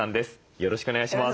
よろしくお願いします。